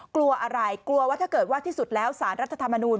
กลัวอะไรกลัวว่าถ้าเกิดว่าที่สุดแล้วสารรัฐธรรมนูล